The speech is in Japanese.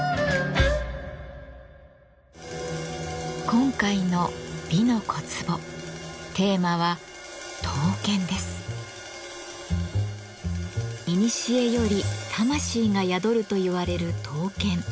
今回の「美の小壺」テーマはいにしえより魂が宿るといわれる刀剣。